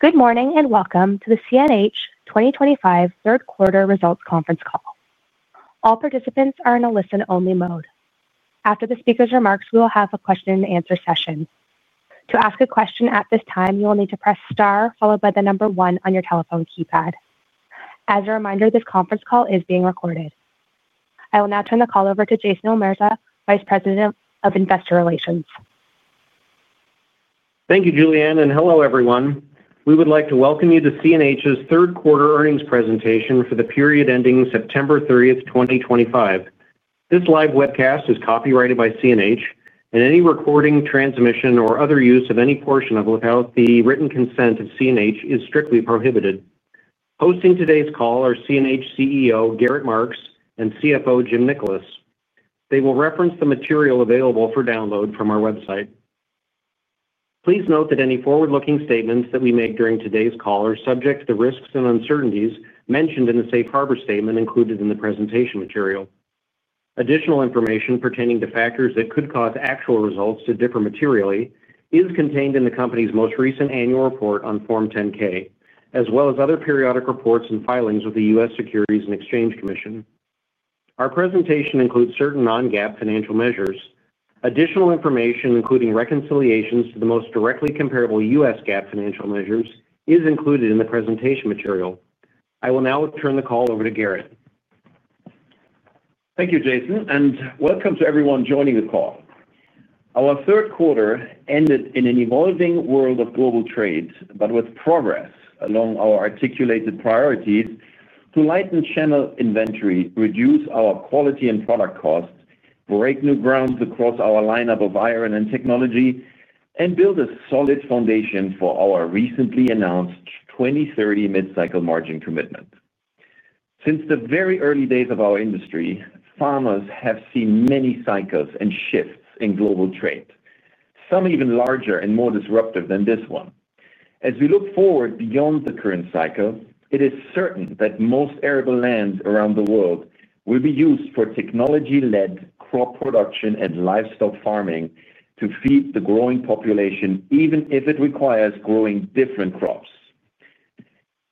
Good morning and welcome to the CNH 2025 third quarter results conference call. All participants are in a listen-only mode. After the speaker's remarks, we will have a question-and-answer session. To ask a question at this time, you will need to press star followed by the number one on your telephone keypad. As a reminder, this conference call is being recorded. I will now turn the call over to Jason Omerza, Vice President of Investor Relations. Thank you, Julianne, and hello everyone. We would like to welcome you to CNH's third quarter earnings presentation for the period ending September 30th, 2025. This live webcast is copyrighted by CNH, and any recording, transmission, or other use of any portion of it without the written consent of CNH is strictly prohibited. Hosting today's call are CNH CEO, Gerrit Marx, and CFO, Jim Nickolas. They will reference the material available for download from our website. Please note that any forward-looking statements that we make during today's call are subject to the risks and uncertainties mentioned in the safe harbor statement included in the presentation material. Additional information pertaining to factors that could cause actual results to differ materially is contained in the company's most recent annual report on Form 10-K, as well as other periodic reports and filings with the U.S. Securities and Exchange Commission. Our presentation includes certain non-GAAP financial measures. Additional information, including reconciliations to the most directly comparable U.S. GAAP financial measures, is included in the presentation material. I will now turn the call over to Gerrit. Thank you, Jason, and welcome to everyone joining the call. Our third quarter ended in an evolving world of global trade, but with progress along our articulated priorities to lighten channel inventory, reduce our quality and product costs, break new ground across our lineup of iron and technology, and build a solid foundation for our recently announced 2030 mid-cycle margin commitment. Since the very early days of our industry, farmers have seen many cycles and shifts in global trade, some even larger and more disruptive than this one. As we look forward beyond the current cycle, it is certain that most arable land around the world will be used for technology-led crop production and livestock farming to feed the growing population, even if it requires growing different crops.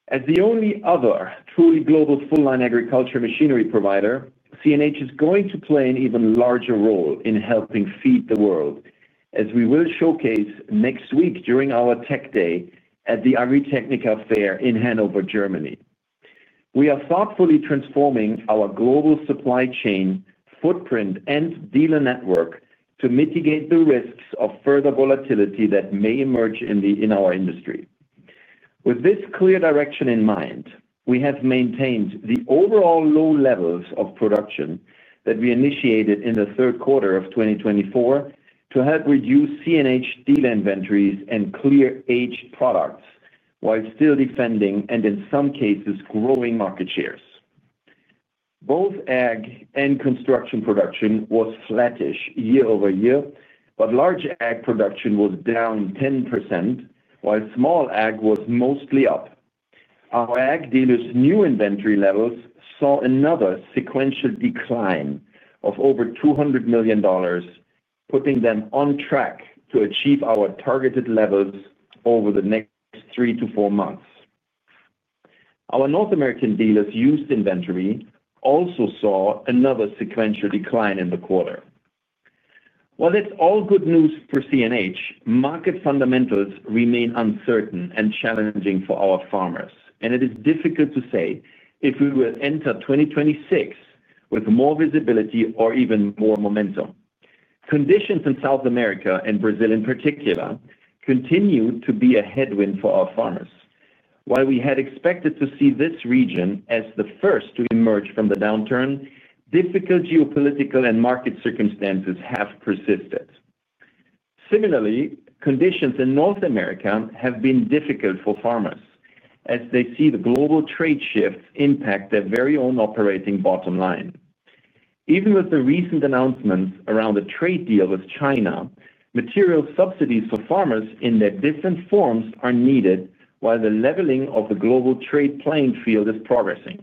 As the only other truly global full-line agriculture machinery provider, CNH is going to play an even larger role in helping feed the world, as we will showcase next week during our Tech Day at the Agritechnica Fair in Hanover, Germany. We are thoughtfully transforming our global supply chain footprint and dealer network to mitigate the risks of further volatility that may emerge in our industry. With this clear direction in mind, we have maintained the overall low levels of production that we initiated in the third quarter of 2024 to help reduce CNH dealer inventories and clear-aged products while still defending and, in some cases, growing market shares. Both ag and construction production was flattish year-over-year, but large ag production was down 10%, while small ag was mostly up. Our ag dealers' new inventory levels saw another sequential decline of over $200 million, putting them on track to achieve our targeted levels over the next three to four months. Our North American dealers' used inventory also saw another sequential decline in the quarter. While it is all good news for CNH, market fundamentals remain uncertain and challenging for our farmers, and it is difficult to say if we will enter 2026 with more visibility or even more momentum. Conditions in South America and Brazil, in particular, continue to be a headwind for our farmers. While we had expected to see this region as the first to emerge from the downturn, difficult geopolitical and market circumstances have persisted. Similarly, conditions in North America have been difficult for farmers as they see the global trade shifts impact their very own operating bottom line. Even with the recent announcements around a trade deal with China, material subsidies for farmers in their different forms are needed while the leveling of the global trade playing field is progressing.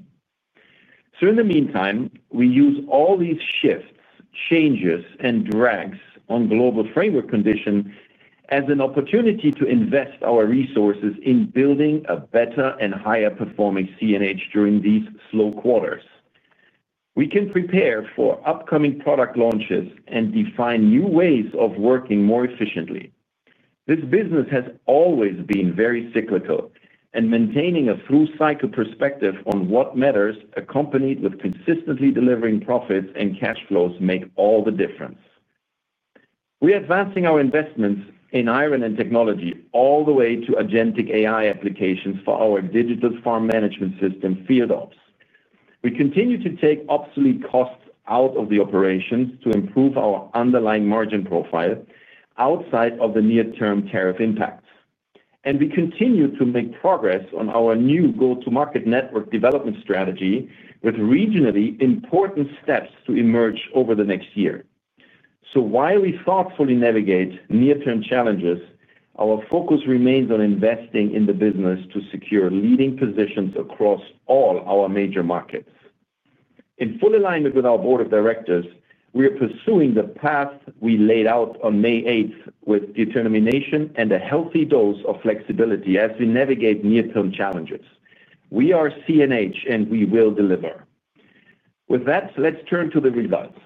In the meantime, we use all these shifts, changes, and drags on global framework conditions as an opportunity to invest our resources in building a better and higher-performing CNH during these slow quarters. We can prepare for upcoming product launches and define new ways of working more efficiently. This business has always been very cyclical, and maintaining a through-cycle perspective on what matters, accompanied with consistently delivering profits and cash flows, makes all the difference. We are advancing our investments in iron and technology all the way to agentic AI applications for our digital farm management system, FieldOps. We continue to take obsolete costs out of the operations to improve our underlying margin profile outside of the near-term tariff impacts. We continue to make progress on our new go-to-market network development strategy with regionally important steps to emerge over the next year. While we thoughtfully navigate near-term challenges, our focus remains on investing in the business to secure leading positions across all our major markets. In full alignment with our board of directors, we are pursuing the path we laid out on May 8th with determination and a healthy dose of flexibility as we navigate near-term challenges. We are CNH, and we will deliver. With that, let's turn to the results.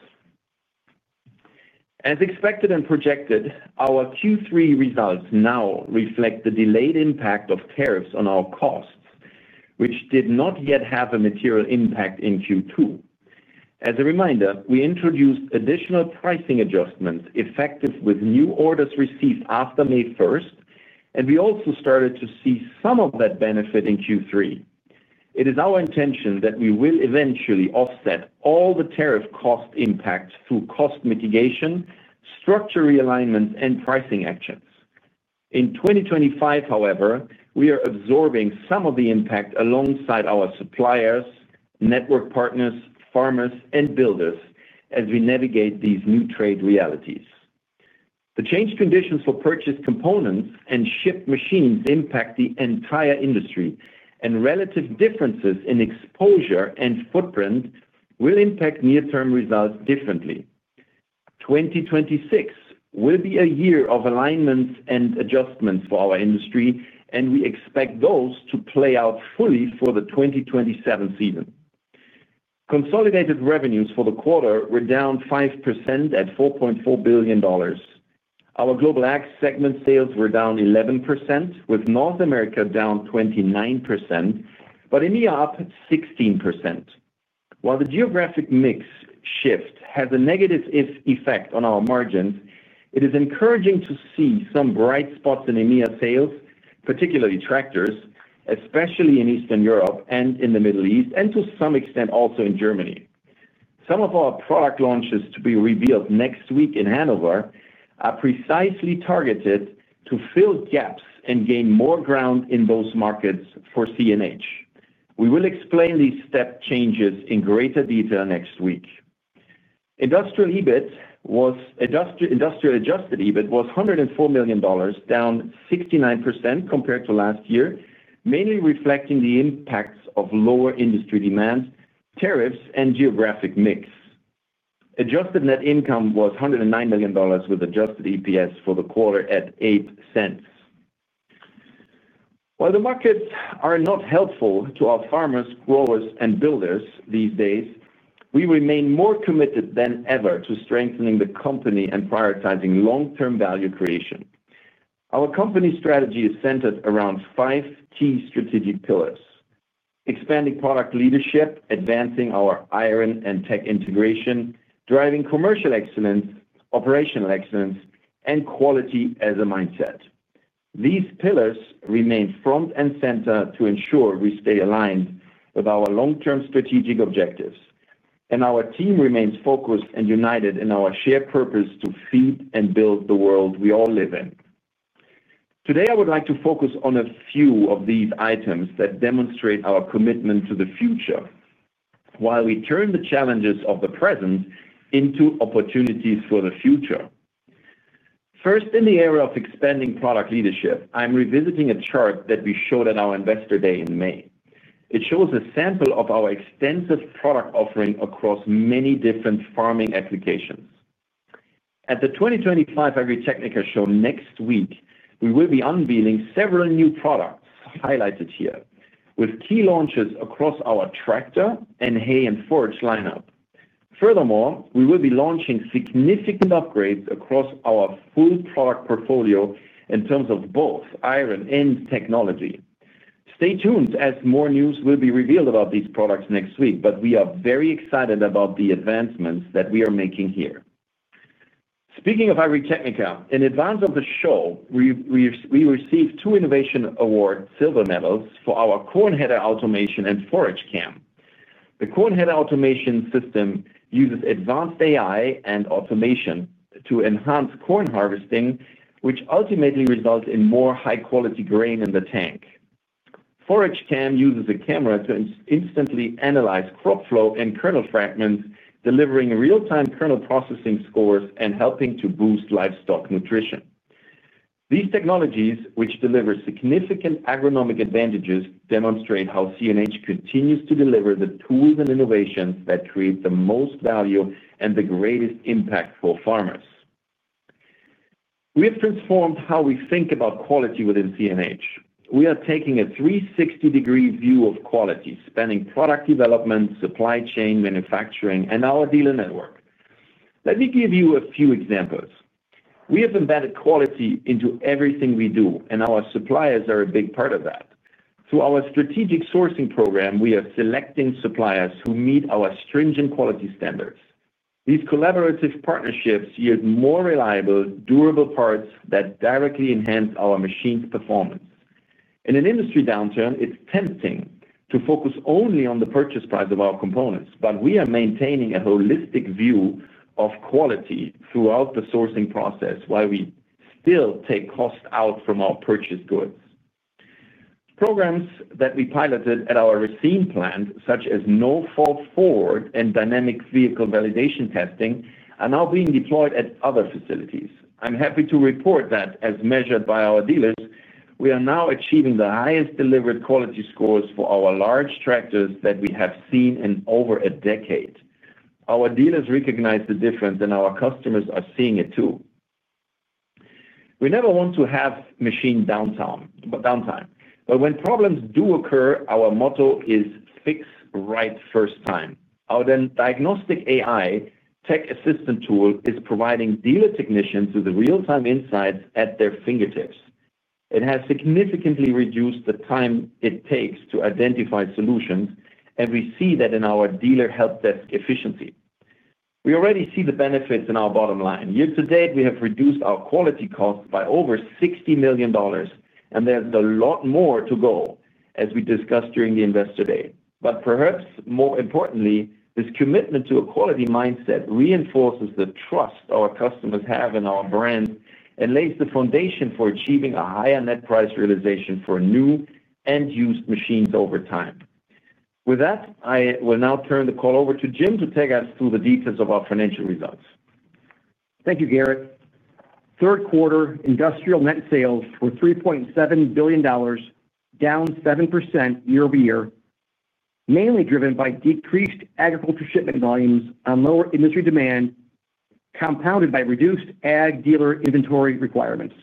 As expected and projected, our Q3 results now reflect the delayed impact of tariffs on our costs, which did not yet have a material impact in Q2. As a reminder, we introduced additional pricing adjustments effective with new orders received after May 1st, and we also started to see some of that benefit in Q3. It is our intention that we will eventually offset all the tariff cost impacts through cost mitigation, structural realignments, and pricing actions. In 2025, however, we are absorbing some of the impact alongside our suppliers, network partners, farmers, and builders as we navigate these new trade realities. The changed conditions for purchased components and shipped machines impact the entire industry, and relative differences in exposure and footprint will impact near-term results differently. 2026 will be a year of alignments and adjustments for our industry, and we expect those to play out fully for the 2027 season. Consolidated revenues for the quarter were down 5% at $4.4 billion. Our global ag segment sales were down 11%, with North America down 29%, but EMEA up 16%. While the geographic mix shift has a negative effect on our margins, it is encouraging to see some bright spots in EMEA sales, particularly tractors, especially in Eastern Europe and in the Middle East, and to some extent also in Germany. Some of our product launches to be revealed next week in Hanover are precisely targeted to fill gaps and gain more ground in those markets for CNH. We will explain these step changes in greater detail next week. Industrial adjusted EBIT was $104 million, down 69% compared to last year, mainly reflecting the impacts of lower industry demands, tariffs, and geographic mix. Adjusted net income was $109 million, with adjusted EPS for the quarter at $0.08. While the markets are not helpful to our farmers, growers, and builders these days, we remain more committed than ever to strengthening the company and prioritizing long-term value creation. Our company strategy is centered around five key strategic pillars: expanding product leadership, advancing our iron and tech integration, driving commercial excellence, operational excellence, and quality as a mindset. These pillars remain front and center to ensure we stay aligned with our long-term strategic objectives, and our team remains focused and united in our shared purpose to feed and build the world we all live in. Today, I would like to focus on a few of these items that demonstrate our commitment to the future while we turn the challenges of the present into opportunities for the future. First, in the area of expanding product leadership, I'm revisiting a chart that we showed at our investor day in May. It shows a sample of our extensive product offering across many different farming applications. At the 2025 Agritechnica Show next week, we will be unveiling several new products highlighted here, with key launches across our tractor and hay and forage lineup. Furthermore, we will be launching significant upgrades across our full product portfolio in terms of both Iron and Technology. Stay tuned as more news will be revealed about these products next week, but we are very excited about the advancements that we are making here. Speaking of Agritechnica, in advance of the show, we received two innovation award silver medals for our corn header automation and forage cam. The corn header automation system uses advanced AI and automation to enhance corn harvesting, which ultimately results in more high-quality grain in the tank. Forage cam uses a camera to instantly analyze crop flow and kernel fragments, delivering real-time kernel processing scores and helping to boost livestock nutrition. These technologies, which deliver significant agronomic advantages, demonstrate how CNH continues to deliver the tools and innovations that create the most value and the greatest impact for farmers. We have transformed how we think about quality within CNH. We are taking a 360-degree view of quality, spanning product development, supply chain, manufacturing, and our dealer network. Let me give you a few examples. We have embedded quality into everything we do, and our suppliers are a big part of that. Through our strategic sourcing program, we are selecting suppliers who meet our stringent quality standards. These collaborative partnerships yield more reliable, durable parts that directly enhance our machines' performance. In an industry downturn, it's tempting to focus only on the purchase price of our components, but we are maintaining a holistic view of quality throughout the sourcing process while we still take cost out from our purchased goods. Programs that we piloted at our Racine plant, such as No Fall Forward and Dynamic Vehicle Validation Testing, are now being deployed at other facilities. I'm happy to report that, as measured by our dealers, we are now achieving the highest delivered quality scores for our large tractors that we have seen in over a decade. Our dealers recognize the difference, and our customers are seeing it too. We never want to have machine downtime, but when problems do occur, our motto is "Fix Right First Time." Our diagnostic AI tech assistant tool is providing dealer technicians with real-time insights at their fingertips. It has significantly reduced the time it takes to identify solutions, and we see that in our dealer help desk efficiency. We already see the benefits in our bottom line. Year-to-date, we have reduced our quality costs by over $60 million, and there's a lot more to go, as we discussed during the Investor Day. Perhaps more importantly, this commitment to a quality mindset reinforces the trust our customers have in our brand and lays the foundation for achieving a higher net price realization for new and used machines over time. With that, I will now turn the call over to Jim to take us through the details of our financial results. Thank you, Gerrit. Third quarter industrial net sales were $3.7 billion, down 7% year-over-year, mainly driven by decreased agriculture shipment volumes and lower industry demand, compounded by reduced ag dealer inventory requirements.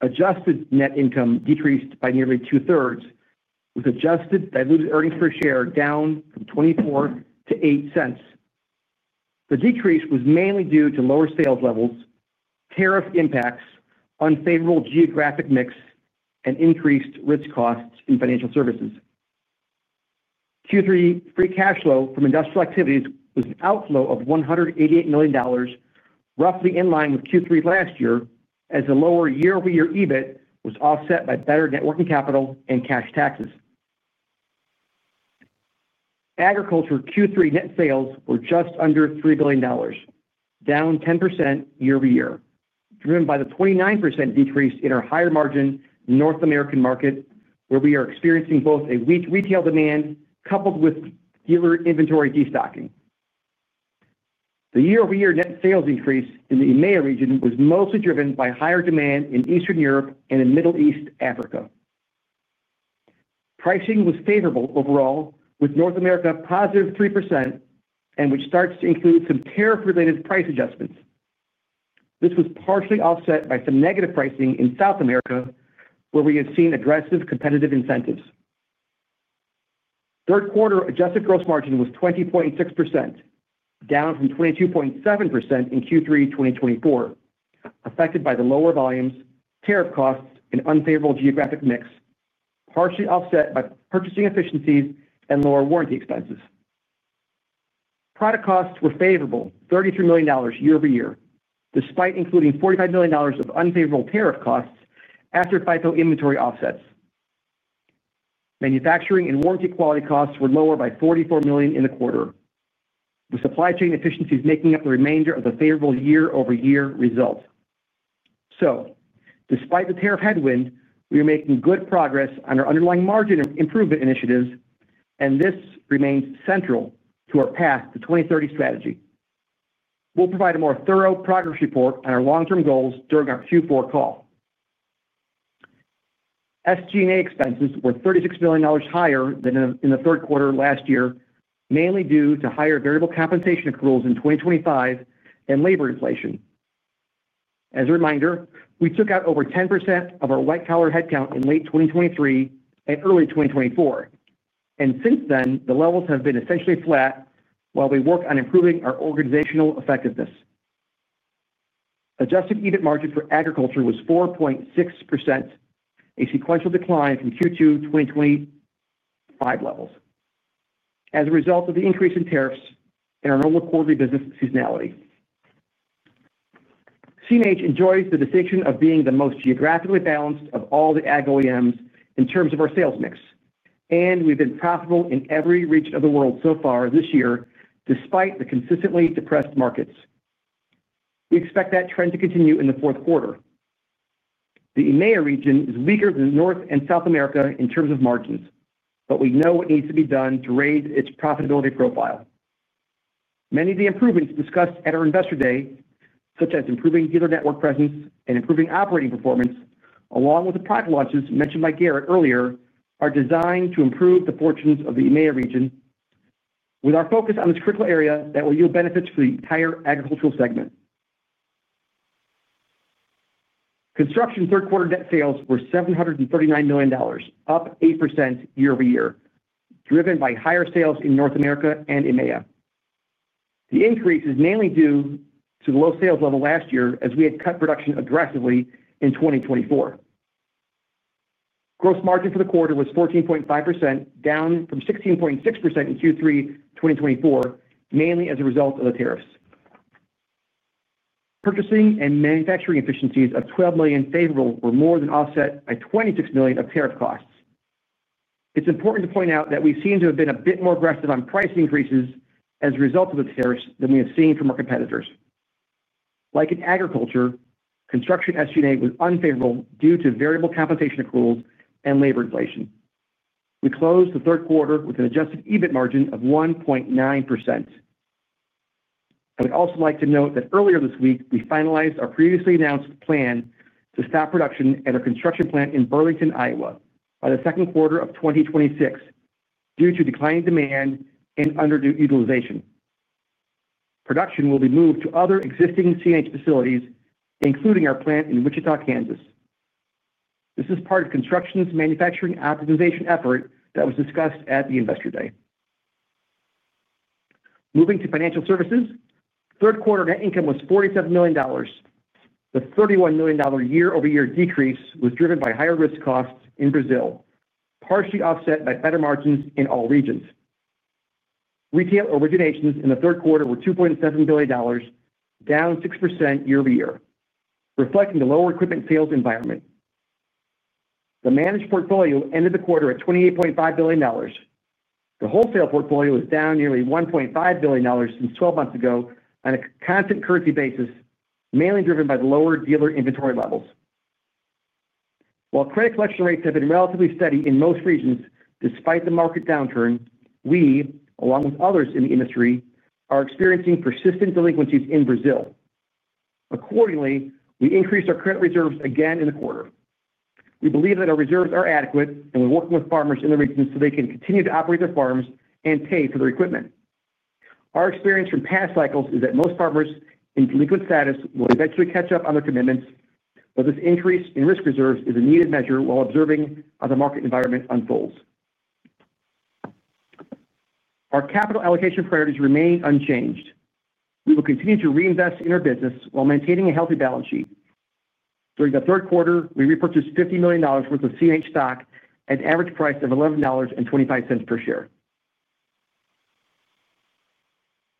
Adjusted net income decreased by nearly 2/3, with adjusted diluted earnings per share down from $0.24 to $0.08. The decrease was mainly due to lower sales levels, tariff impacts, unfavorable geographic mix, and increased risk costs in financial services. Q3 free cash flow from industrial activities was an outflow of $188 million, roughly in line with Q3 last year, as the lower year-over-year EBIT was offset by better net working capital and cash taxes. Agriculture Q3 net sales were just under $3 billion, down 10% year-over-year, driven by the 29% decrease in our higher margin North American market, where we are experiencing both a weak retail demand coupled with dealer inventory destocking. The year-over-year net sales increase in the EMEA region was mostly driven by higher demand in Eastern Europe and in Middle East Africa. Pricing was favorable overall, with North America positive 3%, and which starts to include some tariff-related price adjustments. This was partially offset by some negative pricing in South America, where we have seen aggressive competitive incentives. Third quarter adjusted gross margin was 20.6%, down from 22.7% in Q3 2024, affected by the lower volumes, tariff costs, and unfavorable geographic mix, partially offset by purchasing efficiencies and lower warranty expenses. Product costs were favorable, $33 million year-over-year, despite including $45 million of unfavorable tariff costs after FIFO inventory offsets. Manufacturing and warranty quality costs were lower by $44 million in the quarter, with supply chain efficiencies making up the remainder of the favorable year-over-year result. Despite the tariff headwind, we are making good progress on our underlying margin improvement initiatives, and this remains central to our path to 2030 strategy. We will provide a more thorough progress report on our long-term goals during our Q4 call. SG&A expenses were $36 million higher than in the third quarter last year, mainly due to higher variable compensation accruals in 2025 and labor inflation. As a reminder, we took out over 10% of our white-collar headcount in late 2023 and early 2024, and since then, the levels have been essentially flat while we work on improving our organizational effectiveness. Adjusted EBIT margin for agriculture was 4.6%, a sequential decline from Q2 2025 levels as a result of the increase in tariffs and our normal quarterly business seasonality. CNH enjoys the distinction of being the most geographically balanced of all the ag OEMs in terms of our sales mix, and we've been profitable in every region of the world so far this year, despite the consistently depressed markets. We expect that trend to continue in the fourth quarter. The EMEA region is weaker than North and South America in terms of margins, but we know what needs to be done to raise its profitability profile. Many of the improvements discussed at our Investor Day, such as improving dealer network presence and improving operating performance, along with the product launches mentioned by Gerrit earlier, are designed to improve the fortunes of the EMEA region, with our focus on this critical area that will yield benefits for the entire agricultural segment. Construction third quarter net sales were $739 million, up 8% year-over-year, driven by higher sales in North America and EMEA. The increase is mainly due to the low sales level last year, as we had cut production aggressively in 2023. Gross margin for the quarter was 14.5%, down from 16.6% in Q3 2023, mainly as a result of the tariffs. Purchasing and manufacturing efficiencies of $12 million favorable were more than offset by $26 million of tariff costs. It's important to point out that we seem to have been a bit more aggressive on price increases as a result of the tariffs than we have seen from our competitors. Like in agriculture, construction SG&A was unfavorable due to variable compensation accruals and labor inflation. We closed the third quarter with an adjusted EBIT margin of 1.9%. I would also like to note that earlier this week, we finalized our previously announced plan to stop production at our construction plant in Burlington, Iowa, by the second quarter of 2026 due to declining demand and underutilization. Production will be moved to other existing CNH facilities, including our plant in Wichita, Kansas. This is part of construction's manufacturing optimization effort that was discussed at the investor day. Moving to financial services, third quarter net income was $47 million. The $31 million year-over-year decrease was driven by higher risk costs in Brazil, partially offset by better margins in all regions. Retail originations in the third quarter were $2.7 billion, down 6% year-over-year, reflecting the lower equipment sales environment. The managed portfolio ended the quarter at $28.5 billion. The wholesale portfolio is down nearly $1.5 billion since 12 months ago on a constant currency basis, mainly driven by the lower dealer inventory levels. While credit collection rates have been relatively steady in most regions, despite the market downturn, we, along with others in the industry, are experiencing persistent delinquencies in Brazil. Accordingly, we increased our credit reserves again in the quarter. We believe that our reserves are adequate, and we're working with farmers in the region so they can continue to operate their farms and pay for their equipment. Our experience from past cycles is that most farmers in delinquent status will eventually catch up on their commitments, but this increase in risk reserves is a needed measure while observing as the market environment unfolds. Our capital allocation priorities remain unchanged. We will continue to reinvest in our business while maintaining a healthy balance sheet. During the third quarter, we repurchased $50 million worth of CNH stock at an average price of $11.25 per share.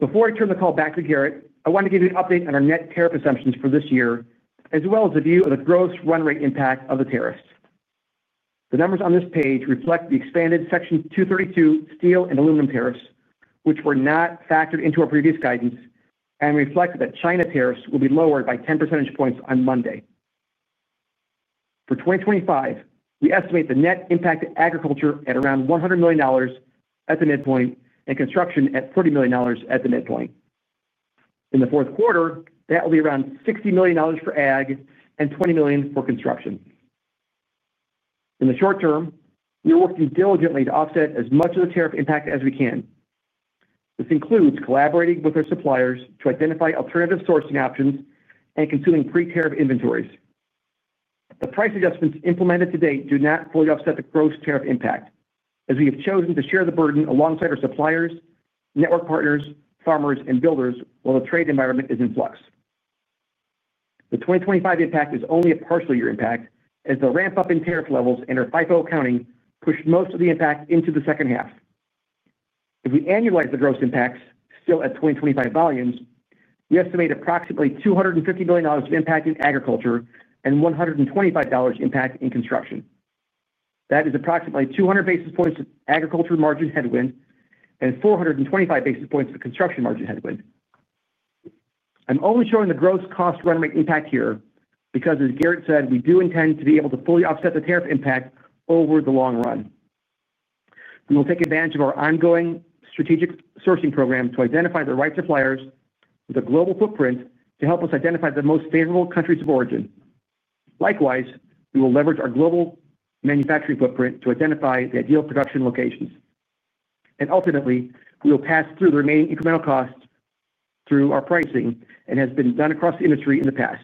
Before I turn the call back to Gerrit, I wanted to give you an update on our net tariff assumptions for this year, as well as a view of the gross run rate impact of the tariffs. The numbers on this page reflect the expanded Section 232 steel and aluminum tariffs, which were not factored into our previous guidance, and reflect that China tariffs will be lowered by 10 percentage points on Monday. For 2025, we estimate the net impact of agriculture at around $100 million at the midpoint and construction at $40 million at the midpoint. In the fourth quarter, that will be around $60 million for ag and $20 million for construction. In the short term, we are working diligently to offset as much of the tariff impact as we can. This includes collaborating with our suppliers to identify alternative sourcing options and consuming pre-tariff inventories. The price adjustments implemented to date do not fully offset the gross tariff impact, as we have chosen to share the burden alongside our suppliers, network partners, farmers, and builders while the trade environment is in flux. The 2025 impact is only a partial year impact, as the ramp-up in tariff levels and our FIFO accounting pushed most of the impact into the second half. If we annualize the gross impacts, still at 2025 volumes, we estimate approximately $250 million of impact in agriculture and $125 million impact in construction. That is approximately 200 basis points of agriculture margin headwind and 425 basis points of construction margin headwind. I'm only showing the gross cost run rate impact here because, as Gerrit said, we do intend to be able to fully offset the tariff impact over the long run. We will take advantage of our ongoing strategic sourcing program to identify the right suppliers with a global footprint to help us identify the most favorable countries of origin. Likewise, we will leverage our global manufacturing footprint to identify the ideal production locations. Ultimately, we will pass through the remaining incremental costs through our pricing as has been done across the industry in the past.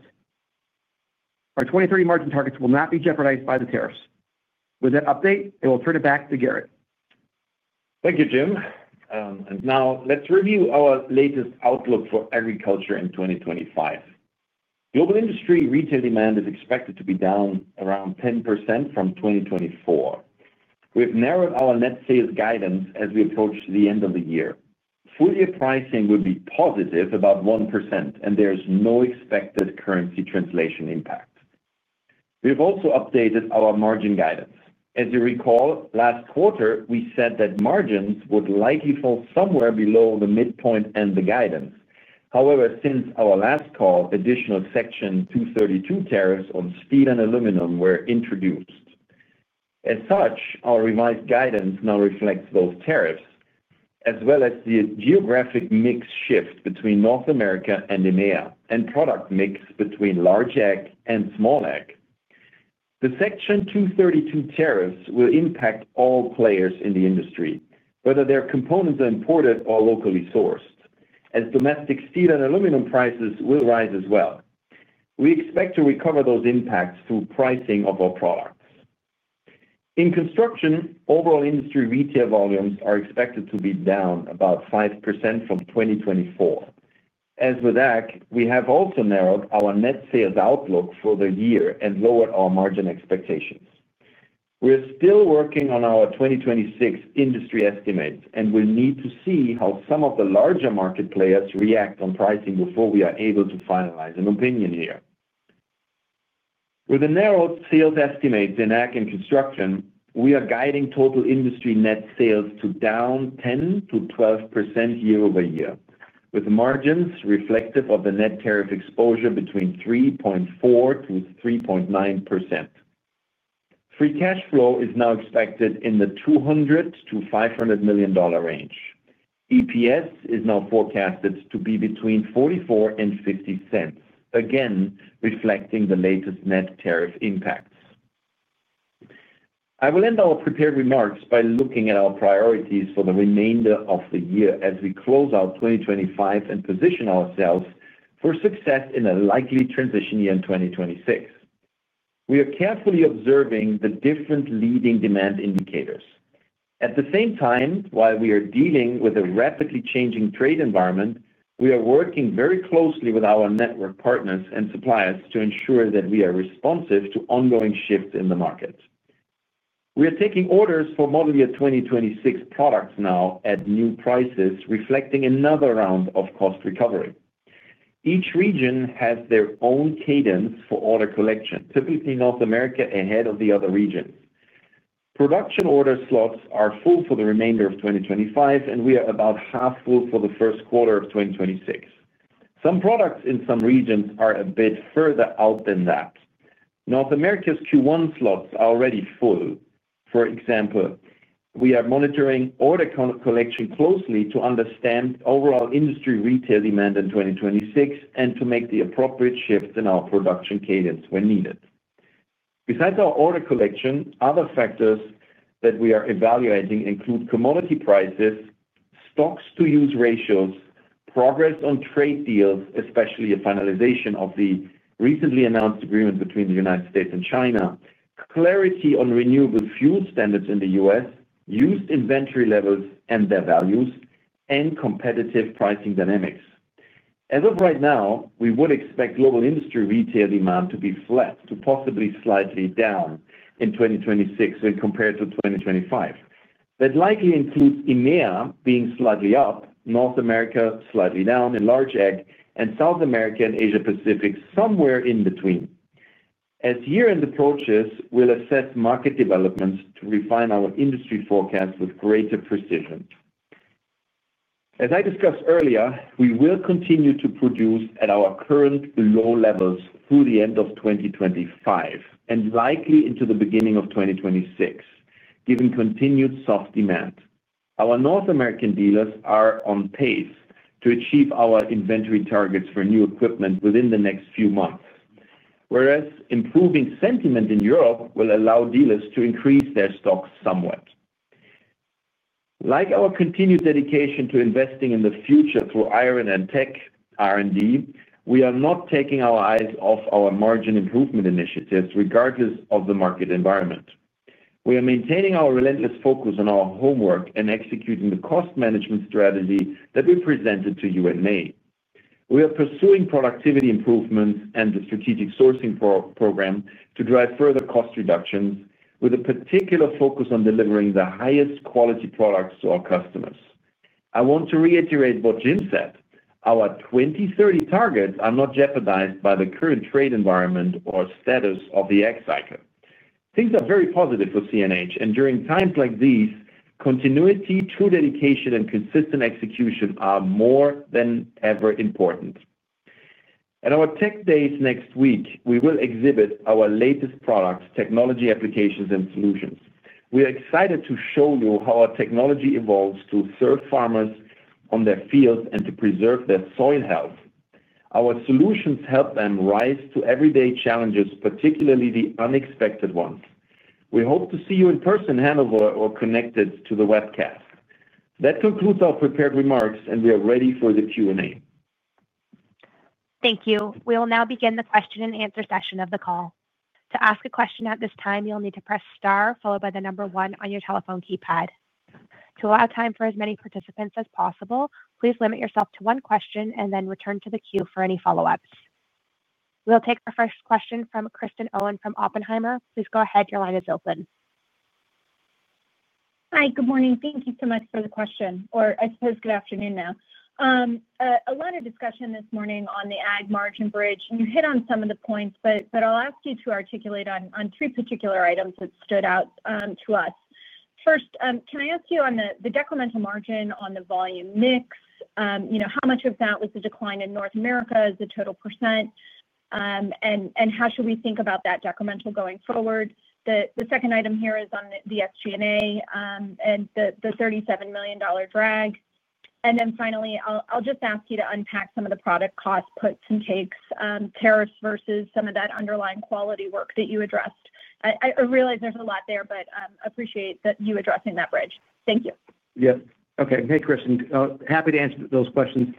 Our 2030 margin targets will not be jeopardized by the tariffs. With that update, I will turn it back to Gerrit. Thank you, Jim. Now, let's review our latest outlook for agriculture in 2025. Global industry retail demand is expected to be down around 10% from 2024. We have narrowed our net sales guidance as we approach the end of the year. Full-year pricing will be positive about 1%, and there is no expected currency translation impact. We have also updated our margin guidance. As you recall, last quarter, we said that margins would likely fall somewhere below the midpoint in the guidance. However, since our last call, additional Section 232 tariffs on steel and aluminum were introduced. As such, our revised guidance now reflects those tariffs, as well as the geographic mix shift between North America and EMEA and product mix between large ag and small ag. The Section 232 tariffs will impact all players in the industry, whether their components are imported or locally sourced, as domestic steel and aluminum prices will rise as well. We expect to recover those impacts through pricing of our products. In construction, overall industry retail volumes are expected to be down about 5% from 2024. As with ag, we have also narrowed our net sales outlook for the year and lowered our margin expectations. We're still working on our 2026 industry estimates, and we'll need to see how some of the larger market players react on pricing before we are able to finalize an opinion here. With the narrowed sales estimates in ag and construction, we are guiding total industry net sales to down 10%-12% year-over-year, with margins reflective of the net tariff exposure between 3.4%-3.9%. Free cash flow is now expected in the $200 million-$500 million range. EPS is now forecasted to be between $0.44 and $0.50, again reflecting the latest net tariff impacts. I will end our prepared remarks by looking at our priorities for the remainder of the year as we close out 2025 and position ourselves for success in a likely transition year in 2026. We are carefully observing the different leading demand indicators. At the same time, while we are dealing with a rapidly changing trade environment, we are working very closely with our network partners and suppliers to ensure that we are responsive to ongoing shifts in the market. We are taking orders for model year 2026 products now at new prices, reflecting another round of cost recovery. Each region has their own cadence for order collection, typically North America ahead of the other regions. Production order slots are full for the remainder of 2025, and we are about half full for the first quarter of 2026. Some products in some regions are a bit further out than that. North America's Q1 slots are already full. For example, we are monitoring order collection closely to understand overall industry retail demand in 2026 and to make the appropriate shift in our production cadence when needed. Besides our order collection, other factors that we are evaluating include commodity prices, stocks-to-use ratios, progress on trade deals, especially a finalization of the recently announced agreement between the United States and China, clarity on renewable fuel standards in the U.S., used inventory levels and their values, and competitive pricing dynamics. As of right now, we would expect global industry retail demand to be flat, to possibly slightly down in 2026 when compared to 2025. That likely includes EMEA being slightly up, North America slightly down in large ag, and South America and Asia Pacific somewhere in between. As year-end approaches, we will assess market developments to refine our industry forecasts with greater precision. As I discussed earlier, we will continue to produce at our current low levels through the end of 2025 and likely into the beginning of 2026, given continued soft demand. Our North American dealers are on pace to achieve our inventory targets for new equipment within the next few months, whereas improving sentiment in Europe will allow dealers to increase their stocks somewhat. Like our continued dedication to investing in the future through Iron and Tech R&D, we are not taking our eyes off our margin improvement initiatives regardless of the market environment. We are maintaining our relentless focus on our homework and executing the cost management strategy that we presented to you in May. We are pursuing productivity improvements and the strategic sourcing program to drive further cost reductions, with a particular focus on delivering the highest quality products to our customers. I want to reiterate what Jim said. Our 2030 targets are not jeopardized by the current trade environment or status of the ag cycle. Things are very positive for CNH, and during times like these, continuity, true dedication, and consistent execution are more than ever important. At our tech days next week, we will exhibit our latest products, technology applications, and solutions. We are excited to show you how our technology evolves to serve farmers on their fields and to preserve their soil health. Our solutions help them rise to everyday challenges, particularly the unexpected ones. We hope to see you in person, handled or connected to the webcast. That concludes our prepared remarks, and we are ready for the Q&A. Thank you. We will now begin the question-and-answer session of the call. To ask a question at this time, you'll need to press star, followed by the number one on your telephone keypad. To allow time for as many participants as possible, please limit yourself to one question and then return to the queue for any follow-ups. We'll take our first question from Kristen Owen from Oppenheimer. Please go ahead. Your line is open. Hi. Good morning. Thank you so much for the question, or I suppose good afternoon now. A lot of discussion this morning on the ag margin bridge, and you hit on some of the points, but I'll ask you to articulate on three particular items that stood out to us. First, can I ask you on the decremental margin on the volume mix? How much of that was the decline in North America as a total %, and how should we think about that decremental going forward? The second item here is on the SG&A and the $37 million drag. And then finally, I'll just ask you to unpack some of the product cost puts and takes, tariffs versus some of that underlying quality work that you addressed. I realize there's a lot there, but I appreciate you addressing that bridge. Thank you. Yes. Okay. Hey, Kristen. Happy to answer those questions.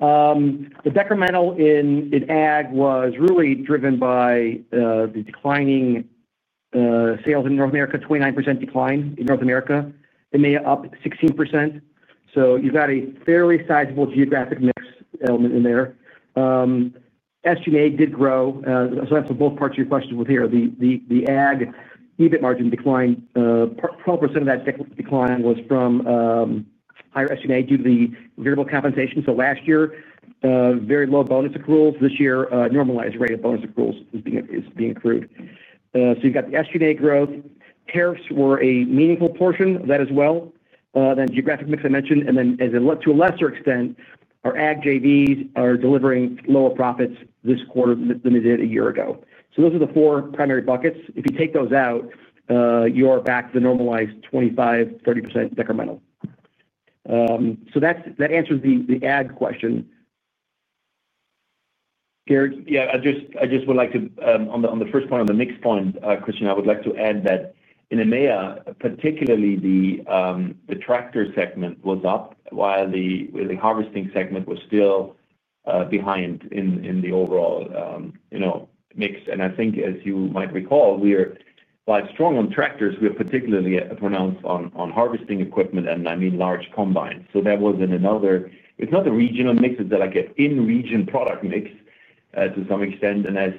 The decremental in ag was really driven by the declining sales in North America, 29% decline in North America. EMEA up 16%. So you've got a fairly sizable geographic mix element in there. SG&A did grow. So that's what both parts of your questions were here. The ag EBIT margin declined, 12% of that decline was from higher SG&A due to the variable compensation. Last year, very low bonus accruals. This year, a normalized rate of bonus accruals is being accrued. You have the SG&A growth. Tariffs were a meaningful portion of that as well. Geographic mix I mentioned. To a lesser extent, our ag JVs are delivering lower profits this quarter than they did a year ago. Those are the four primary buckets. If you take those out, you are back to the normalized 25-30% decremental. That answers the ag question. Gerrit? Yeah. I just would like to, on the first point, on the mix point, Kristen, I would like to add that in EMEA, particularly the tractor segment was up, while the harvesting segment was still behind in the overall mix. I think, as you might recall, while strong on tractors, we are particularly pronounced on harvesting equipment, and I mean large combines. That was in another—it is not the regional mix. It is like an in-region product mix to some extent. As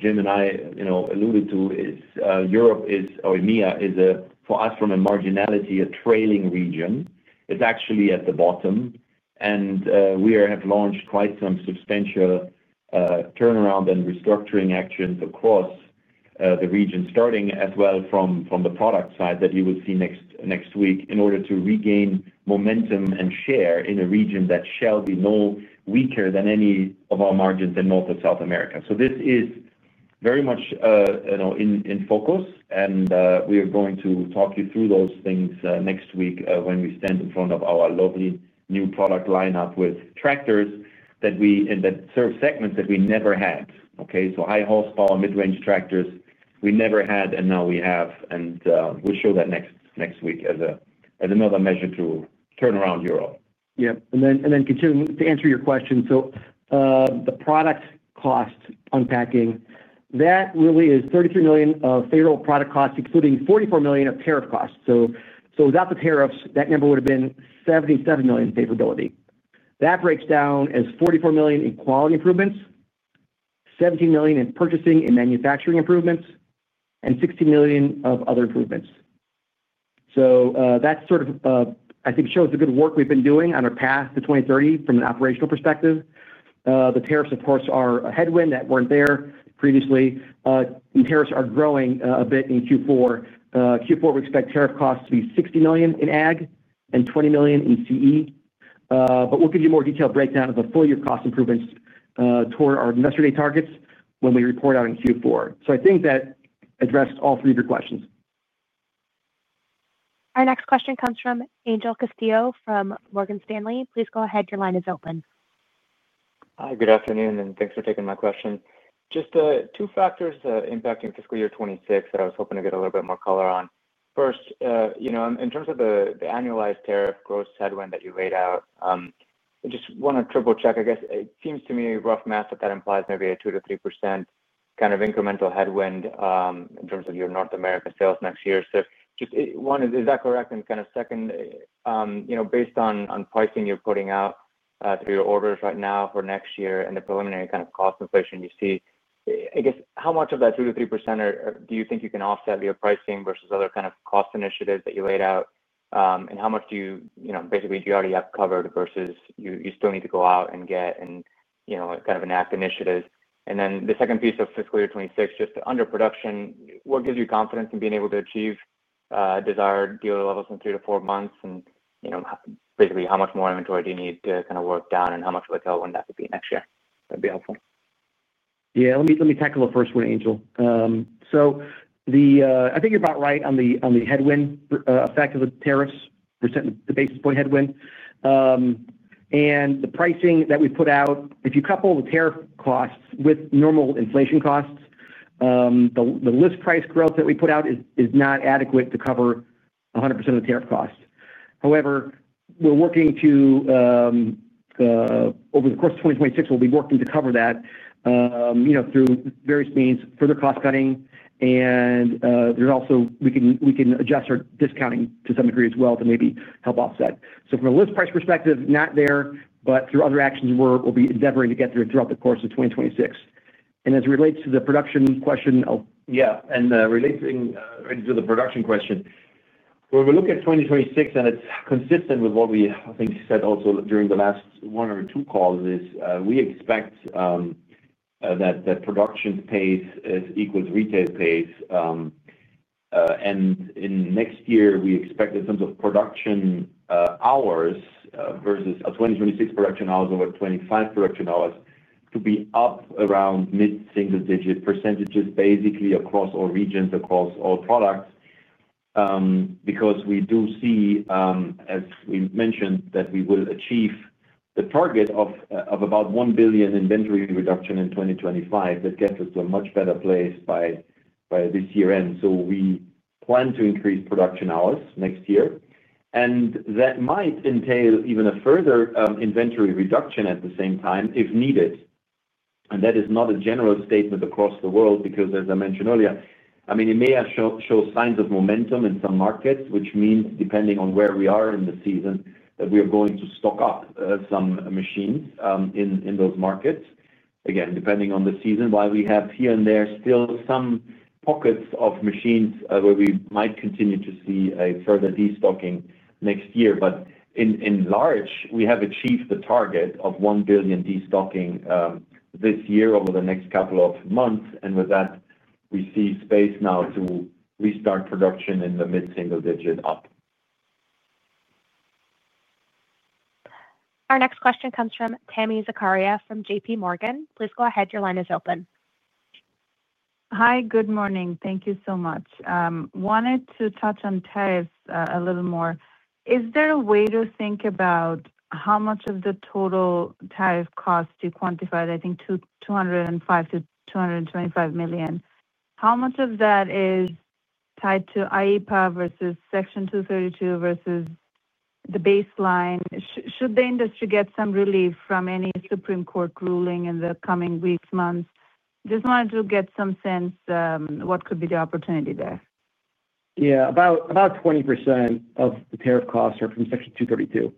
Jim and I alluded to, Europe or EMEA is, for us, from a marginality, a trailing region. It is actually at the bottom. We have launched quite some substantial turnaround and restructuring actions across the region, starting as well from the product side that you will see next week in order to regain momentum and share in a region that shall be no weaker than any of our margins in North or South America. This is very much in focus, and we are going to talk you through those things next week when we stand in front of our lovely new product lineup with tractors that serve segments that we never had. Okay? High-horsepower, mid-range tractors we never had, and now we have. We will show that next week as another measure to turn around Europe. Yep. To answer your question, the product cost unpacking really is $33 million of federal product costs, including $44 million of tariff costs. Without the tariffs, that number would have been $77 million in favorability. That breaks down as $44 million in quality improvements, $17 million in purchasing and manufacturing improvements, and $16 million of other improvements. That sort of, I think, shows the good work we have been doing on our path to 2030 from an operational perspective. The tariffs, of course, are a headwind that were not there previously. Tariffs are growing a bit in Q4. Q4, we expect tariff costs to be $60 million in ag and $20 million in CE. We will give you a more detailed breakdown of the full-year cost improvements toward our investor-day targets when we report out in Q4. I think that addressed all three of your questions. Our next question comes from Angel Castillo from Morgan Stanley. Please go ahead. Your line is open. Hi. Good afternoon, and thanks for taking my question. Just two factors impacting fiscal year 2026 that I was hoping to get a little bit more color on. First, in terms of the annualized tariff growth headwind that you laid out, I just want to triple-check. I guess it seems to me, rough math, that that implies maybe a 2%-3% kind of incremental headwind in terms of your North America sales next year. Just one, is that correct? Kind of second, based on pricing you're putting out through your orders right now for next year and the preliminary kind of cost inflation you see, I guess, how much of that 2%-3% do you think you can offset via pricing versus other kind of cost initiatives that you laid out? How much do you basically already have covered versus you still need to go out and get and kind of enact initiatives? The second piece of fiscal year 2026, just under production, what gives you confidence in being able to achieve desired dealer levels in three to four months? Basically, how much more inventory do you need to kind of work down, and how much would a tailwind have to be next year? That'd be helpful. Yeah. Let me tackle the first one, Angel. I think you're about right on the headwind effect of the tariffs versus the basis point headwind. The pricing that we put out, if you couple the tariff costs with normal inflation costs, the list price growth that we put out is not adequate to cover 100% of the tariff cost. However, we're working to, over the course of 2026, we'll be working to cover that through various means, further cost cutting. There is also, we can adjust our discounting to some degree as well to maybe help offset. From a list price perspective, not there, but through other actions, we'll be endeavoring to get there throughout the course of 2026. As it relates to the production question, when we look at 2026, and it's consistent with what we, I think, said also during the last one or two calls, we expect that production pace equals retail pace. In next year, we expect in terms of production hours versus 2026 production hours, over 2025 production hours to be up around mid-single-digit %, basically across all regions, across all products. Because we do see, as we mentioned, that we will achieve the target of about $1 billion inventory reduction in 2025. That gets us to a much better place by this year-end. We plan to increase production hours next year. That might entail even a further inventory reduction at the same time if needed. That is not a general statement across the world because, as I mentioned earlier, I mean, EMEA shows signs of momentum in some markets, which means, depending on where we are in the season, that we are going to stock up some machines in those markets. Again, depending on the season, while we have here and there still some pockets of machines where we might continue to see a further destocking next year. In large, we have achieved the target of $1 billion destocking this year over the next couple of months. With that, we see space now to restart production in the mid-single-digit up. Our next question comes from Tami Zakaria from JPMorgan. Please go ahead. Your line is open. Hi. Good morning. Thank you so much. Wanted to touch on tariffs a little more. Is there a way to think about how much of the total tariff cost you quantified? I think $205 million-$225 million. How much of that is tied to IEEPA versus Section 232 versus the baseline? Should the industry get some relief from any Supreme Court ruling in the coming weeks, months? Just wanted to get some sense what could be the opportunity there. Yeah. About 20% of the tariff costs are from Section 232.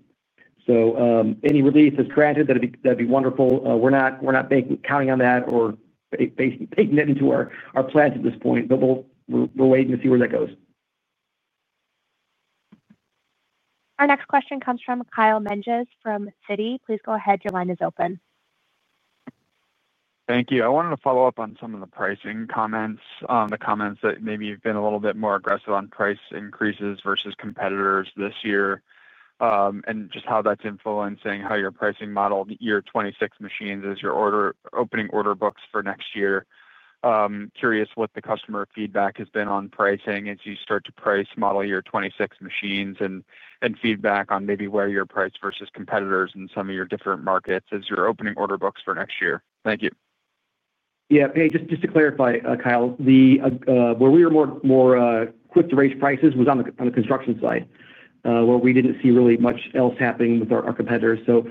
If any relief is granted, that'd be wonderful. We're not counting on that or taking that into our plans at this point, but we're waiting to see where that goes. Our next question comes from Kyle Menges from Citigroup. Please go ahead. Your line is open. Thank you. I wanted to follow up on some of the pricing comments. The comments that maybe you've been a little bit more aggressive on price increases versus competitors this year and just how that's influencing how you're pricing model year 2026 machines as you're opening order books for next year. Curious what the customer feedback has been on pricing as you start to price model year 2026 machines and feedback on maybe where you're priced versus competitors in some of your different markets as you're opening order books for next year. Thank you. Yeah. Hey, just to clarify, Kyle, where we were more quick to raise prices was on the construction side, where we didn't see really much else happening with our competitors. So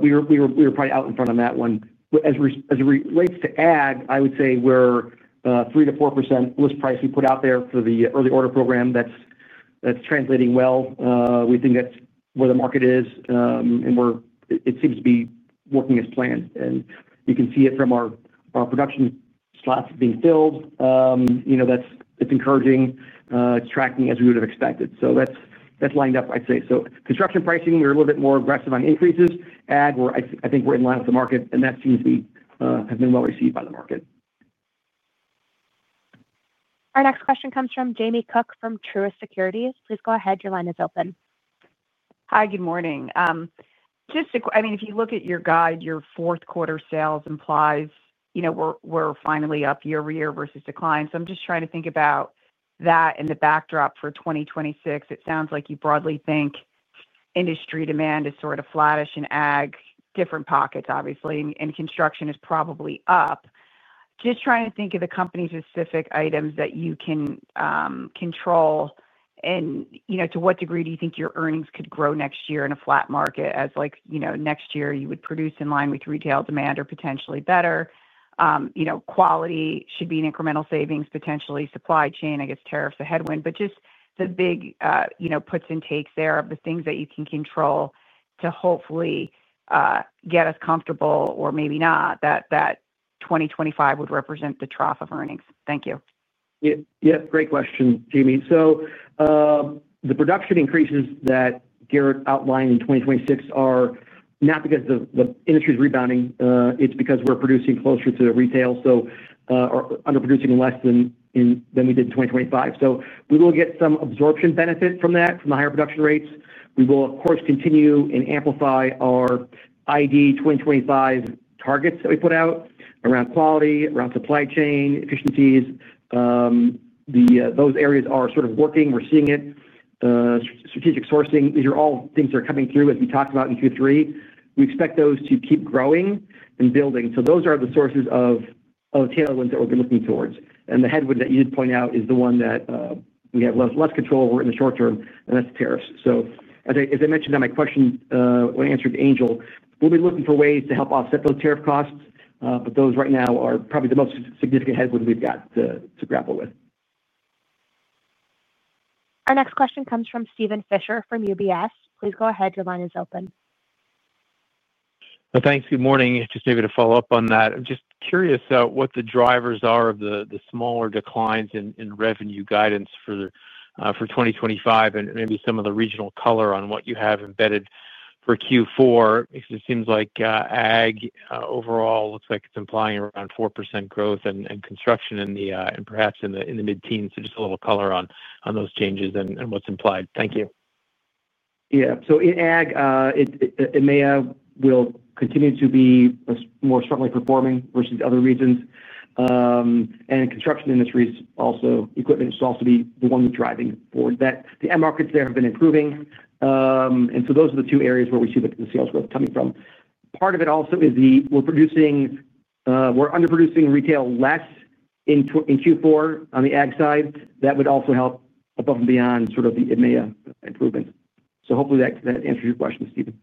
we were probably out in front on that one. As it relates to ag, I would say we're 3%-4% list price we put out there for the early order program. That's translating well. We think that's where the market is, and it seems to be working as planned. You can see it from our production slots being filled. That's encouraging. It's tracking as we would have expected. That's lined up, I'd say. Construction pricing, we're a little bit more aggressive on increases. Ag, I think we're in line with the market, and that seems to have been well received by the market. Our next question comes from Jamie Cook from Truist Securities. Please go ahead. Your line is open. Hi. Good morning. I mean, if you look at your guide, your fourth quarter sales implies we're finally up year-over-year versus decline. I'm just trying to think about that in the backdrop for 2026. It sounds like you broadly think industry demand is sort of flattish in ag, different pockets, obviously, and construction is probably up. Just trying to think of the company-specific items that you can control. To what degree do you think your earnings could grow next year in a flat market as next year you would produce in line with retail demand or potentially better? Quality should be an incremental savings, potentially supply chain, I guess tariffs a headwind, but just the big puts and takes there of the things that you can control to hopefully get us comfortable or maybe not that 2025 would represent the trough of earnings. Thank you. Yeah. Great question, Jamie. The production increases that Gerrit outlined in 2026 are not because the industry is rebounding. It is because we are producing closer to retail, or underproducing less than we did in 2025. We will get some absorption benefit from that, from the higher production rates. We will, of course, continue and amplify our ID 2025 targets that we put out around quality, around supply chain, efficiencies. Those areas are sort of working. We're seeing it. Strategic sourcing, these are all things that are coming through as we talked about in Q3. We expect those to keep growing and building. Those are the sources of tailwinds that we've been looking towards. The headwind that you did point out is the one that we have less control over in the short term, and that's tariffs. As I mentioned in my question when I answered Angel, we'll be looking for ways to help offset those tariff costs, but those right now are probably the most significant headwind we've got to grapple with. Our next question comes from Steven Fisher from UBS. Please go ahead. Your line is open. Thanks. Good morning. Just maybe to follow up on that, I'm just curious what the drivers are of the smaller declines in revenue guidance for 2025 and maybe some of the regional color on what you have embedded for Q4. It seems like ag overall looks like it's implying around 4% growth and construction and perhaps in the mid-teens. So just a little color on those changes and what's implied. Thank you. Yeah. In ag, EMEA will continue to be more strongly performing versus other regions. Construction industries also, equipment is also the one that's driving forward. The ag markets there have been improving. Those are the two areas where we see the sales growth coming from. Part of it also is we're underproducing retail less in Q4 on the ag side. That would also help above and beyond sort of the EMEA improvements. Hopefully that answers your question, Steven.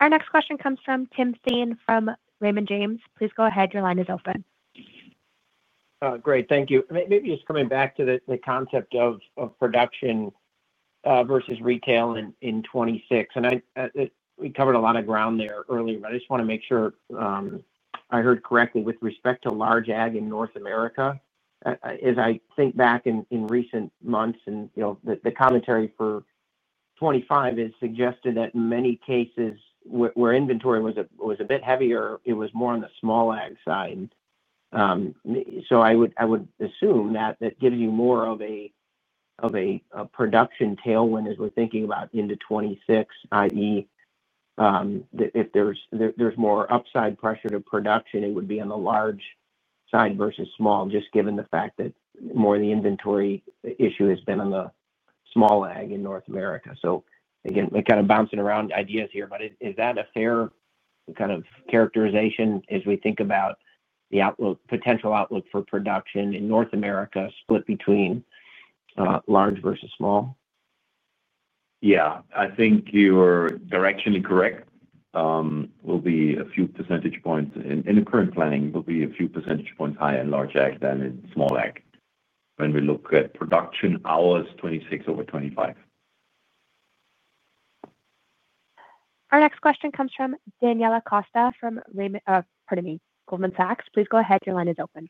Our next question comes from Tim Thein from Raymond James. Please go ahead. Your line is open. Great. Thank you. Maybe just coming back to the concept of production versus retail in 2026. We covered a lot of ground there earlier, but I just want to make sure I heard correctly with respect to large ag in North America. As I think back in recent months and the commentary for 2025 has suggested that in many cases where inventory was a bit heavier, it was more on the small ag side. I would assume that that gives you more of a production tailwind as we're thinking about into 2026, i.e., if there's more upside pressure to production, it would be on the large side versus small, just given the fact that more of the inventory issue has been on the small ag in North America. Again, kind of bouncing around ideas here, but is that a fair kind of characterization as we think about the potential outlook for production in North America split between large versus small? Yeah. I think you're directionally correct. We'll be a few percentage points in the current planning, we'll be a few percentage points higher in large ag than in small ag when we look at production hours 2026 over 2025. Our next question comes from Daniela Costa from Goldman Sachs. Please go ahead. Your line is open.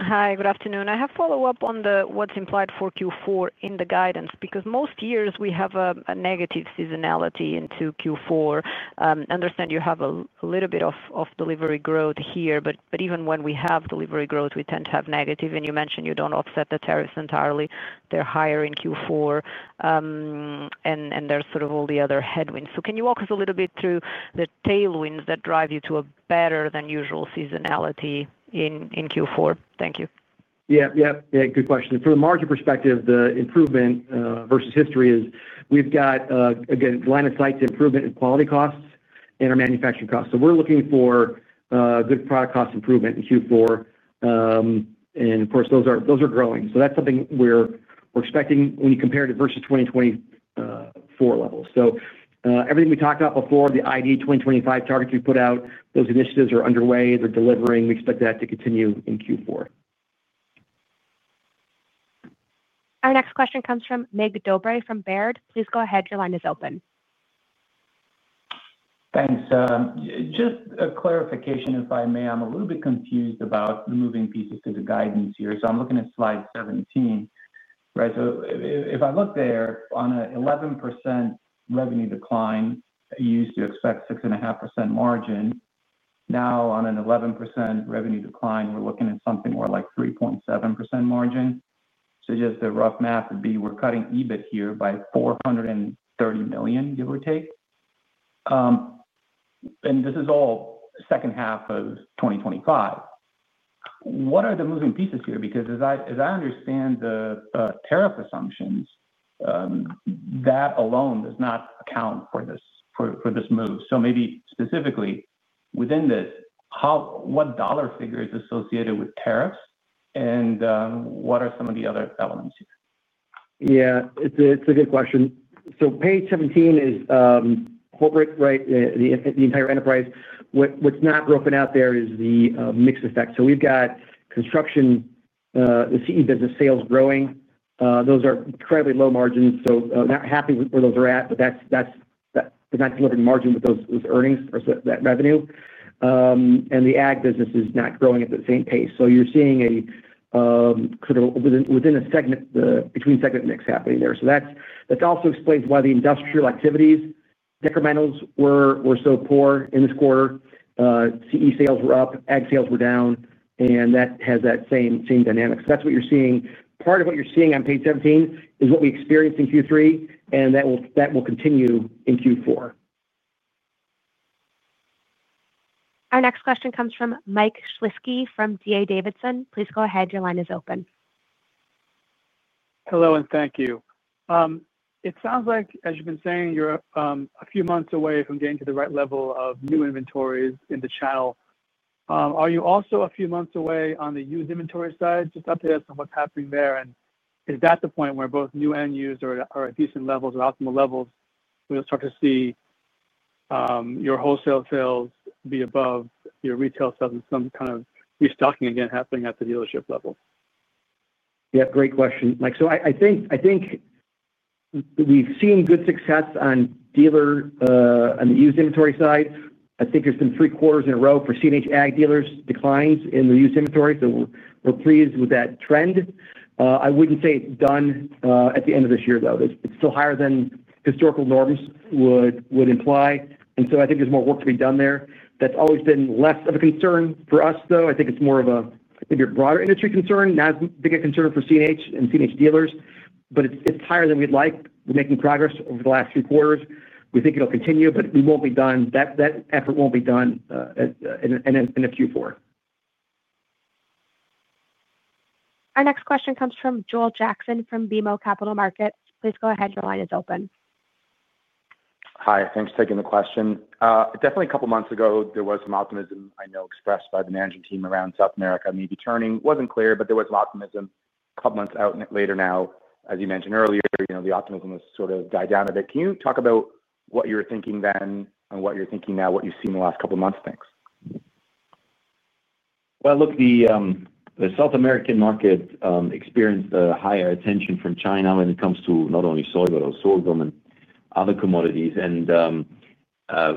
Hi. Good afternoon. I have follow-up on what's implied for Q4 in the guidance because most years we have a negative seasonality into Q4. I understand you have a little bit of delivery growth here, but even when we have delivery growth, we tend to have negative. You mentioned you do not offset the tariffs entirely. They are higher in Q4, and there are sort of all the other headwinds. Can you walk us a little bit through the tailwinds that drive you to a better-than-usual seasonality in Q4? Thank you. Yeah. Good question. From a market perspective, the improvement versus history is we have, again, line of sight to improvement in quality costs and our manufacturing costs. We are looking for good product cost improvement in Q4. Of course, those are growing. That is something we are expecting when you compare it versus 2024 levels. Everything we talked about before, the ID 2025 targets we put out, those initiatives are underway. They're delivering. We expect that to continue in Q4. Our next question comes from Mircea Dobre from Baird. Please go ahead. Your line is open. Thanks. Just a clarification, if I may. I'm a little bit confused about the moving pieces to the guidance here. I'm looking at slide 17, right? If I look there on an 11% revenue decline, you used to expect 6.5% margin. Now, on an 11% revenue decline, we're looking at something more like 3.7% margin. Just a rough math would be we're cutting EBIT here by $430 million, give or take. This is all second half of 2025. What are the moving pieces here? Because as I understand the tariff assumptions, that alone does not account for this move. Maybe specifically within this, what dollar figure is associated with tariffs? And what are some of the other elements here? Yeah. It's a good question. Page 17 is corporate, right? The entire enterprise. What's not broken out there is the mix effect. We've got construction, the CE business sales growing. Those are incredibly low margins. Not happy where those are at, but they're not delivering margin with those earnings or that revenue. The ag business is not growing at the same pace. You're seeing sort of within a segment, between segment mix happening there. That also explains why the industrial activities decrementals were so poor in this quarter. CE sales were up, ag sales were down, and that has that same dynamic. That's what you're seeing. Part of what you're seeing on page 17 is what we experienced in Q3, and that will continue in Q4. Our next question comes from Mike Shlisky from D.A. Davidson. Please go ahead. Your line is open. Hello, and thank you. It sounds like, as you've been saying, you're a few months away from getting to the right level of new inventories in the channel. Are you also a few months away on the used inventory side? Just update us on what's happening there. And is that the point where both new and used are at decent levels or optimal levels? We'll start to see your wholesale sales be above your retail sales and some kind of restocking again happening at the dealership level. Yeah. Great question, Mike. So I think we've seen good success on the used inventory side. I think there's been three quarters in a row for CNH ag dealers' declines in the used inventory. We're pleased with that trend. I wouldn't say it's done at the end of this year, though. It's still higher than historical norms would imply. I think there's more work to be done there. That's always been less of a concern for us, though. I think it's more of a, maybe a broader industry concern, not as big a concern for CNH and CNH dealers, but it's higher than we'd like. We're making progress over the last three quarters. We think it'll continue, but we won't be done. That effort won't be done in Q4. Our next question comes from Joel Jackson from BMO Capital Markets. Please go ahead. Your line is open. Hi. Thanks for taking the question. Definitely a couple of months ago, there was some optimism, I know, expressed by the management team around South America, maybe turning. Wasn't clear, but there was optimism a couple of months out later now. As you mentioned earlier, the optimism has sort of died down a bit. Can you talk about what you were thinking then and what you're thinking now, what you've seen the last couple of months? Thanks. The South American market experienced the higher attention from China when it comes to not only soy but also alum and other commodities.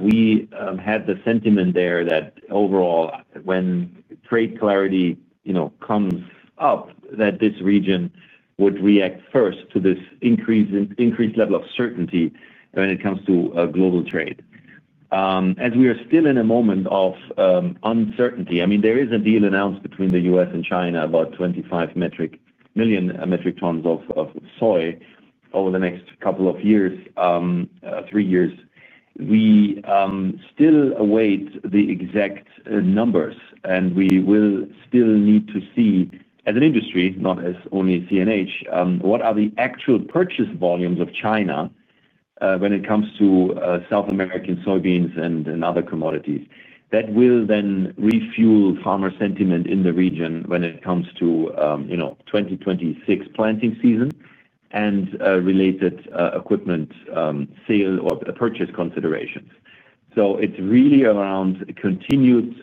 We had the sentiment there that overall, when trade clarity comes up, that this region would react first to this increased level of certainty when it comes to global trade. As we are still in a moment of uncertainty, I mean, there is a deal announced between the U.S. and China about 25 million metric tons of soy over the next couple of years, three years. We still await the exact numbers, and we will still need to see, as an industry, not as only CNH, what are the actual purchase volumes of China when it comes to South American soybeans and other commodities. That will then refuel farmer sentiment in the region when it comes to 2026 planting season and related equipment sale or purchase considerations. It is really around continued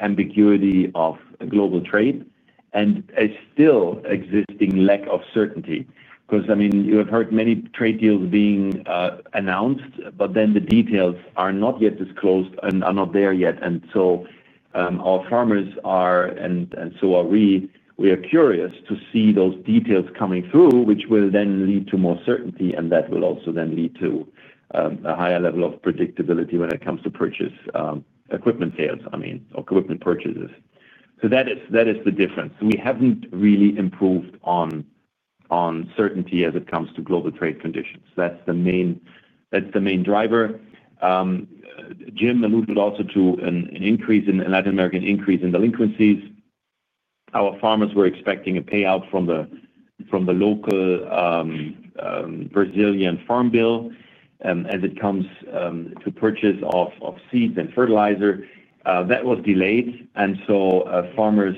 ambiguity of global trade and still existing lack of certainty because, I mean, you have heard many trade deals being announced, but then the details are not yet disclosed and are not there yet. Our farmers are, and so are we. We are curious to see those details coming through, which will then lead to more certainty, and that will also then lead to a higher level of predictability when it comes to purchase equipment sales, I mean, or equipment purchases. That is the difference. We have not really improved on certainty as it comes to global trade conditions. That is the main driver. Jim alluded also to an increase in Latin American increase in delinquencies. Our farmers were expecting a payout from the local Brazilian Farm Bill as it comes to purchase of seeds and fertilizer. That was delayed. Farmers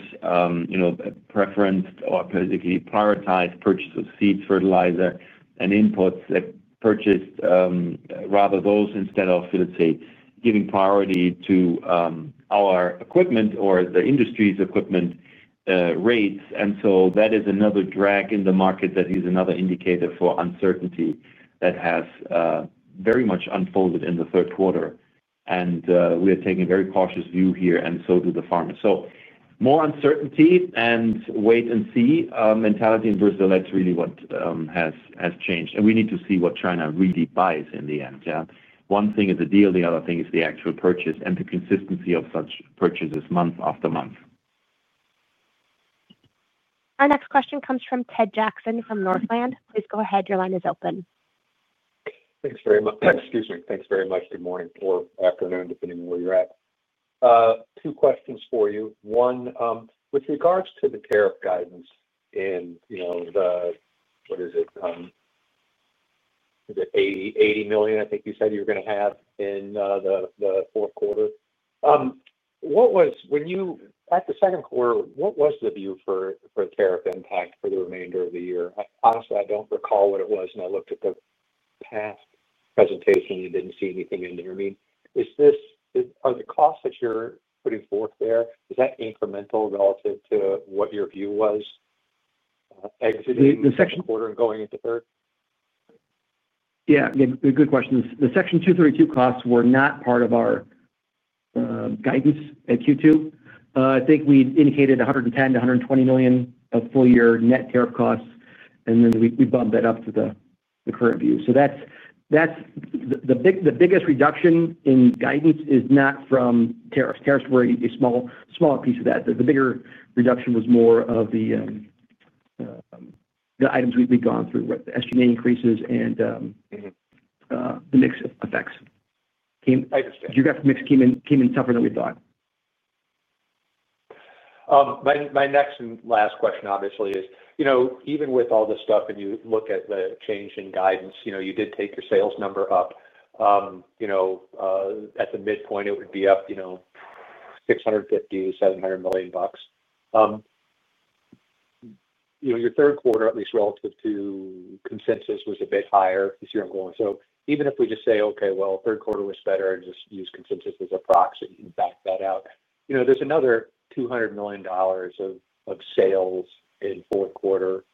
preferred or particularly prioritized purchase of seeds, fertilizer, and inputs, that purchased rather those instead of, let's say, giving priority to our equipment or the industry's equipment rates. That is another drag in the market. That is another indicator for uncertainty that has very much unfolded in the third quarter. We are taking a very cautious view here, and so do the farmers. More uncertainty and wait and see mentality in Brazil, that is really what has changed. We need to see what China really buys in the end. One thing is the deal. The other thing is the actual purchase and the consistency of such purchases month after month. Our next question comes from Ted Jackson from Northland. Please go ahead. Your line is open. Thanks very much. Excuse me. Thanks very much. Good morning or afternoon, depending on where you are at. Two questions for you. One, with regards to the tariff guidance and the, what is it, the $80 million, I think you said you were going to have in the fourth quarter. When you had the second quarter, what was the view for the tariff impact for the remainder of the year? Honestly, I don't recall what it was, and I looked at the past presentation and didn't see anything in there. I mean, are the costs that you're putting forth there, is that incremental relative to what your view was exiting the second quarter and going into third? Yeah. Again, good question. The Section 232 costs were not part of our guidance at Q2. I think we indicated $110 million-$120 million of full-year net tariff costs, and then we bumped that up to the current view. The biggest reduction in guidance is not from tariffs. Tariffs were a smaller piece of that. The bigger reduction was more of the items we've gone through, SG&A increases and the mix effects. I understand. Geographic mix came in tougher than we thought. My next and last question, obviously, is even with all this stuff and you look at the change in guidance, you did take your sales number up. At the midpoint, it would be up $650 million-$700 million. Your third quarter, at least relative to consensus, was a bit higher this year going. Even if we just say, "Okay, well, third quarter was better," and just use consensus as a proxy and back that out, there's another $200 million of sales in fourth quarter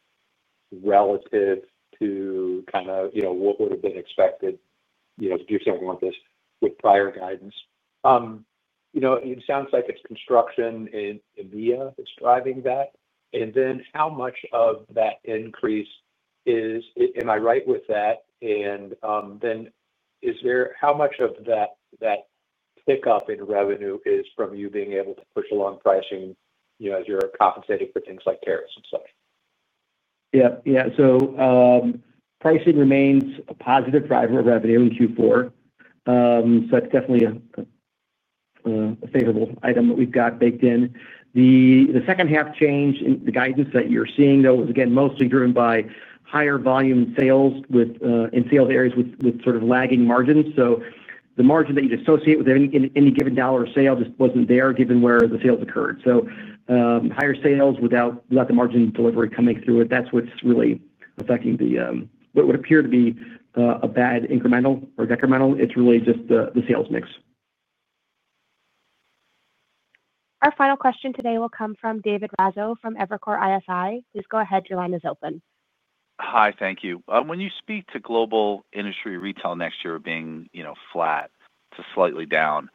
relative to kind of what would have been expected, if you're saying like this with prior guidance. It sounds like it's construction in India that's driving that. How much of that increase is, am I right with that? How much of that pickup in revenue is from you being able to push along pricing as you're compensating for things like tariffs and such? Yeah. Yeah. Pricing remains a positive driver of revenue in Q4. That's definitely a favorable item that we've got baked in. The second half change, the guidance that you're seeing, though, was again mostly driven by higher volume sales in sales areas with sort of lagging margins. The margin that you'd associate with any given dollar of sale just wasn't there given where the sales occurred. Higher sales without the margin delivery coming through it, that's what's really affecting what would appear to be a bad incremental or decremental. It's really just the sales mix. Our final question today will come from David Raso from Evercore ISI. Please go ahead. Your line is open. Hi. Thank you. When you speak to global industry retail next year being flat to slightly down,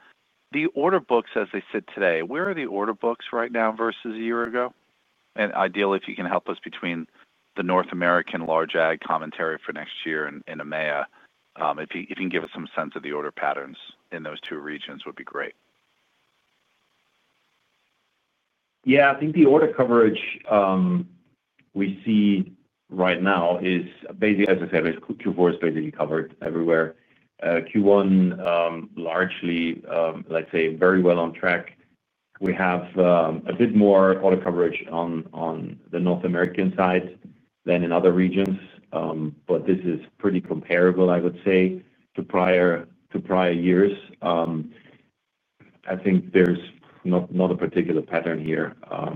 the order books as they sit today, where are the order books right now versus a year ago? And ideally, if you can help us between the North American large ag commentary for next year and EMEA, if you can give us some sense of the order patterns in those two regions, would be great. Yeah. I think the order coverage we see right now is basically, as I said, Q4 is basically covered everywhere. Q1, largely, let's say, very well on track. We have a bit more order coverage on the North American side than in other regions, but this is pretty comparable, I would say, to prior years. I think there's not a particular pattern here.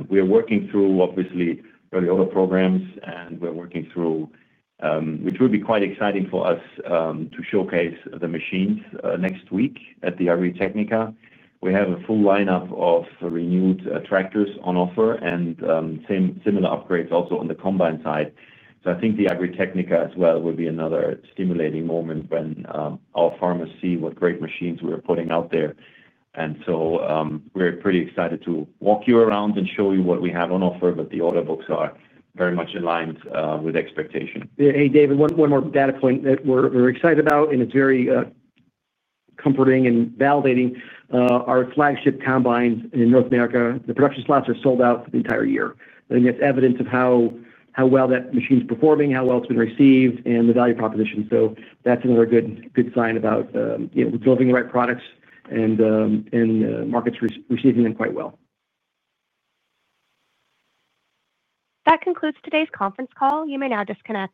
We are working through, obviously, early order programs, and we're working through, which will be quite exciting for us to showcase the machines next week at the Agritechnica. We have a full lineup of renewed tractors on offer and similar upgrades also on the combine side. I think the Agritechnica as well will be another stimulating moment when our farmers see what great machines we are putting out there. We are pretty excited to walk you around and show you what we have on offer, but the order books are very much aligned with expectation. Hey, David, one more data point that we're excited about, and it's very comforting and validating. Our flagship combines in North America, the production slots are sold out for the entire year. I think that's evidence of how well that machine's performing, how well it's been received, and the value proposition. That's another good sign about delivering the right products and markets receiving them quite well. That concludes today's conference call. You may now disconnect.